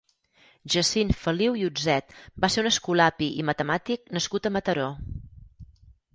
Jacint Feliu i Utzet va ser un escolapi i matemàtic nascut a Mataró.